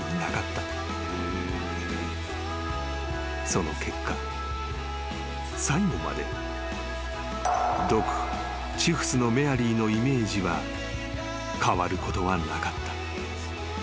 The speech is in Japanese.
［その結果最後まで毒婦チフスのメアリーのイメージは変わることはなかった］